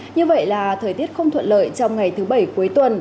như vậy là thời tiết không thuận lợi trong ngày thứ bảy cuối tuần